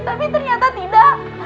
tapi ternyata tidak